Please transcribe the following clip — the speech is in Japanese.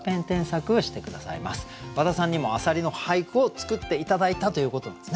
和田さんにも浅蜊の俳句を作って頂いたということなんですね。